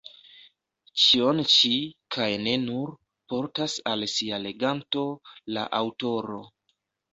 Ĉion ĉi, kaj ne nur, portas al sia leganto la aŭtoro.